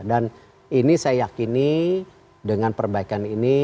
dan ini saya yakini dengan perbaikan ini